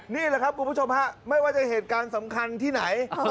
นี่แหละครับคุณผู้ชมฮะไม่ว่าจะเหตุการณ์สำคัญที่ไหน